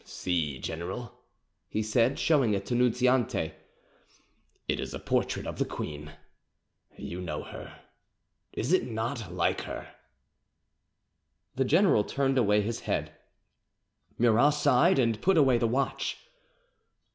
"See, general," he said, showing it to Nunziante; "it is a portrait of the queen. You know her; is it not like her?" The general turned away his head. Murat sighed and put away the watch.